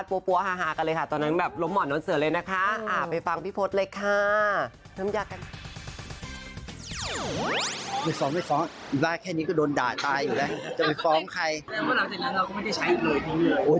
แต่พวกเราจากนั้นเราก็ไม่ได้ใช้เงินเลยทิ้งเลย